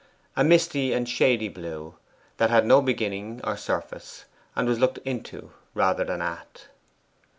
A misty and shady blue, that had no beginning or surface, and was looked INTO rather than AT.